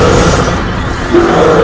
bagaimana kita memb lebak